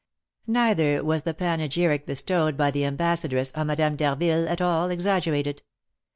Neither was the panegyric bestowed by the ambassadress on Madame d'Harville at all exaggerated.